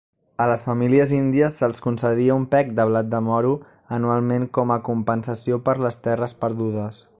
A les famílies índies se'ls concedia un "peck" de blat de moro anualment com a compensació per les terres perdudes.